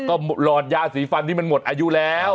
ก็หลอดยาสีฟันที่มันหมดอายุแล้ว